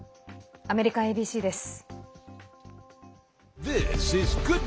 アメリカＡＢＣです。